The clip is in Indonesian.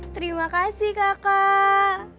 terima kasih kakak